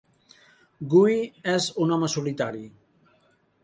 Guy és un home solitari.